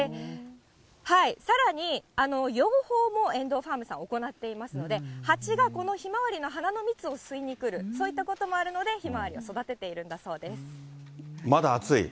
さらに、養蜂も遠藤ファームさん、行っていますので、蜂がこのひまわりの花の蜜を吸いに来る、そういったこともあるので、ひまわりを育てているんだそうです。